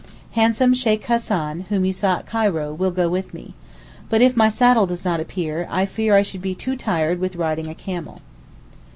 Handsome Sheykh Hassan, whom you saw at Cairo, will go with me. But if my saddle does not appear, I fear I should be too tired with riding a camel.